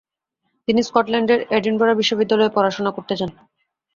তিনি স্কটল্যান্ডের এডিনবরা বিশ্ববিদ্যালয়ে পড়াশোনা করতে যান।